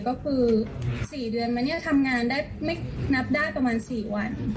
ก็คือ๔เดือนมาเนี่ยทำงานได้ไม่นับได้ประมาณ๔วัน